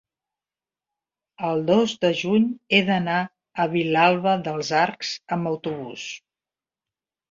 el dos de juny he d'anar a Vilalba dels Arcs amb autobús.